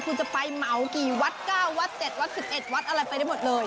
คุณจะไปเหมากี่วัด๙วัด๗วัด๑๑วัดอะไรไปได้หมดเลย